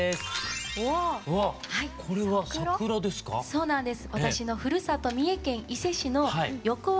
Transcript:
そうなんです。